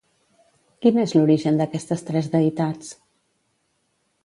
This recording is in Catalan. Quin és l'origen d'aquestes tres deïtats?